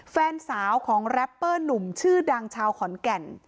แฟนสาวของแรปเปอร์หนุ่มชื่อดังชาวขอนแก่น